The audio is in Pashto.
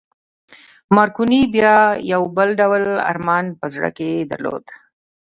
مارکوني بیا یو بل ډول ارمان په زړه کې درلود